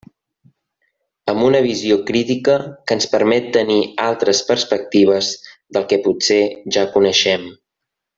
Amb una visió crítica que ens permet tenir altres perspectives del que potser ja coneixem.